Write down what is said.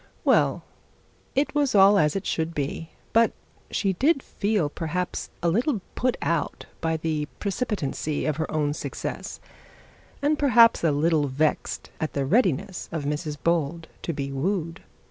Well, it was all as it should be, but she did feel perhaps a little put out by the precipitancy of her own success; and perhaps a little vexed at the readiness of Mrs Bold to be wooed.